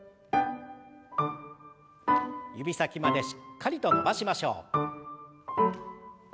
指先までしっかりと伸ばしましょう。